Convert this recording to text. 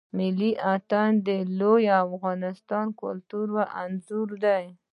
ملی آتڼ د لوی افغانستان کلتور او آنځور دی.